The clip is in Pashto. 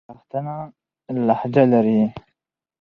پښتانه لهجه لري.